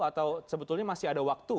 atau sebetulnya masih ada waktu